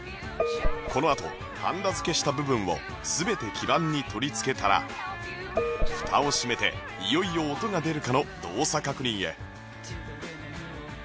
このあとはんだ付けした部分を全て基板に取り付けたら蓋を閉めていよいよ音が出るかの動作確認へ